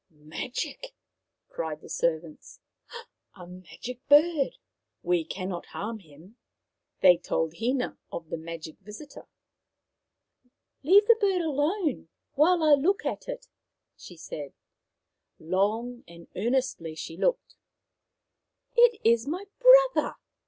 " Magic !" cried the servants. " A magic bird I We cannot harm him." They told Hina of the magic visitor. " Leave the bird alone while I look at it," she said. Long and earnestly she looked. " It is my brother